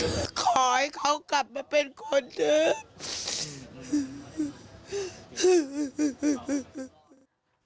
ขอให้เขากลับมาเป็นคนด้วย